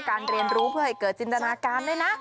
เรียนรู้เพื่อให้เกิดจินตนาการด้วยนะ